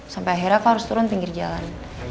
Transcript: sampai akhirnya aku harus turun pinggir jalan